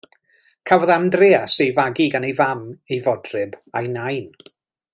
Cafodd Andreas ei fagu gan ei fam, ei fodryb a'i nain.